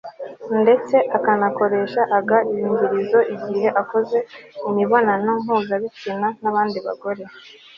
ndetse akanakoresha aga ingirizo igihe akoze imibonano mpuzabitsina n'abandi bagore